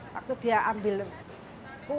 waktu dia ambil kue ya kita sangat mendukung